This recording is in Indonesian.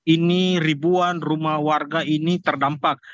ini ribuan rumah warga ini terdampak